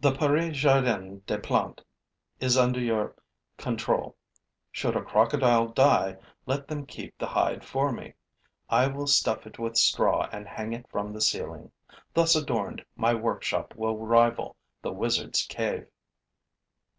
'The Paris Jardin des Plantes is under your control. Should a crocodile die, let them keep the hide for me. I will stuff it with straw and hang it from the ceiling. Thus adorned, my workshop will rival the wizard's cave.'